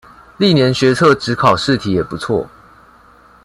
歷年學測指考試題也不錯